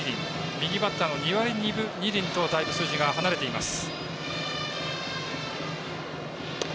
右バッターの２割２分２厘とはだいぶ数字が離れています。